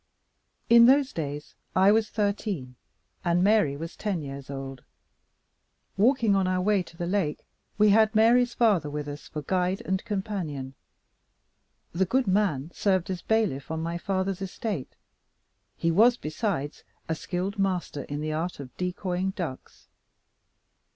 In those days I was thirteen, and Mary was ten years old. Walking on our way to the lake we had Mary's father with us for guide and companion. The good man served as bailiff on my father's estate. He was, besides, a skilled master in the art of decoying ducks.